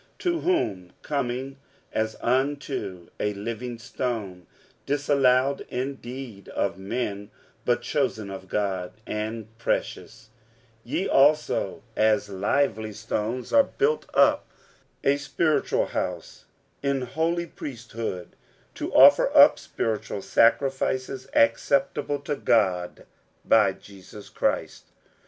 60:002:004 To whom coming, as unto a living stone, disallowed indeed of men, but chosen of God, and precious, 60:002:005 Ye also, as lively stones, are built up a spiritual house, an holy priesthood, to offer up spiritual sacrifices, acceptable to God by Jesus Christ.